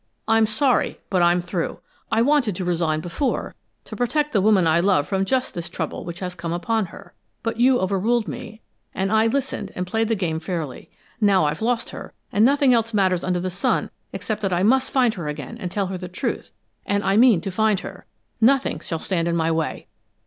"I'm sorry, but I'm through. I wanted to resign before, to protect the woman I love from just this trouble which has come upon her, but you overruled me, and I listened and played the game fairly. Now I've lost her, and nothing else matters under the sun except that I must find her again and tell her the truth, and I mean to find her! Nothing shall stand in my way!"